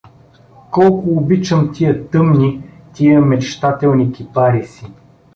Колко обичам тия тъмни, тия мечтателни кипариси!